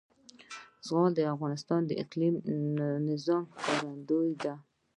زغال د افغانستان د اقلیمي نظام ښکارندوی ده.